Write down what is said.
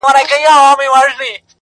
مئين دې مړ کړ مُلا ته هم مړ شې لولپه شې,